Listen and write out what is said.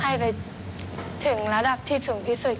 ให้ไปถึงระดับที่สูงที่สุด